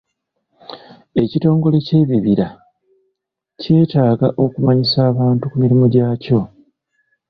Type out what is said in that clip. Ekitongole ky'ebibira kyetaaaga okumanyisa abantu ku mirimu gyakyo.